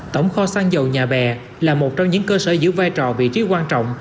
tổng kho sang dầu nhà bè là một trong những cơ sở giữ vai trò vị trí quan trọng